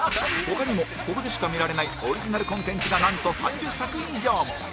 他にもここでしか見られないオリジナルコンテンツがなんと３０作以上も